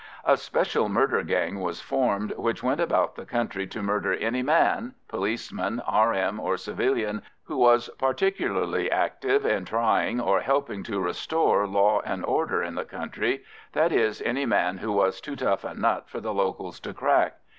A special murder gang was formed, which went about the country to murder any man—policeman, R.M., or civilian—who was particularly active in trying or helping to restore law and order in the country—that is, any man who was too tough a nut for the locals to crack.